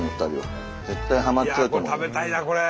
食べたいなこれ。